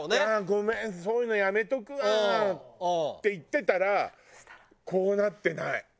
「ああごめんそういうのやめておくわ」って言ってたらこうなってない。